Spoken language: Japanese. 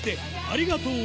ありがとう。